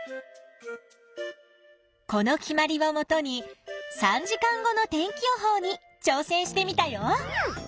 この決まりをもとに３時間後の天気予報にちょう戦してみたよ。